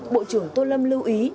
bộ trưởng tô lâm lưu ý